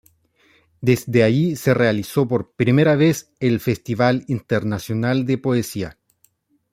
Desde ahí se realizó por primera vez, el Festival Internacional de Poesía.